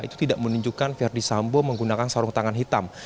itu tidak menunjukkan ferdis sambo menggunakan sarung tangan hitam